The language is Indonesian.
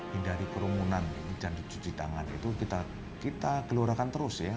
hindari kerumunan dan cuci tangan itu kita gelorakan terus ya